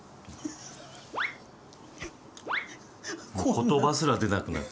言葉すら出なくなる。